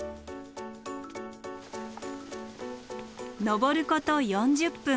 登ること４０分。